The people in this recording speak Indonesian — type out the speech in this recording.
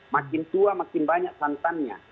makin tua makin banyak santannya